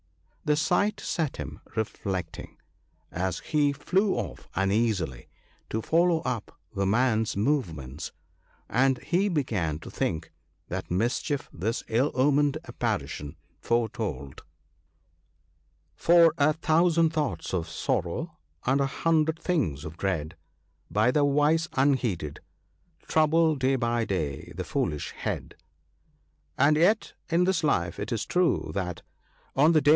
The sight set him reflecting, as he flew off uneasily to follow up the man's movements, and he began to think what mischief this ill omened appari tion foretold. 22 THE BOOK OF GOOD COUNSELS. " For, a thousand thoughts of sorrow, and a hundred things of dread, By the wise unheeded, trouble day by day the foolish head." And yet in this life it is true that " Of the day